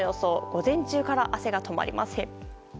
午前中から汗が止まりません。